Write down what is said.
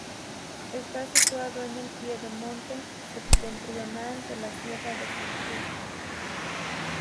Está situado en el piedemonte septentrional de la Sierra de San Just.